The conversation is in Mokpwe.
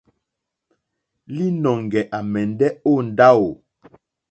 Līnɔ̄ŋgɛ̄ à mɛ̀ndɛ́ ó ndáwù.